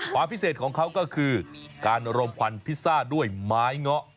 ความพิเศษของเขาก็คือการรมควันพิซซ่าด้วยไม้เงาะ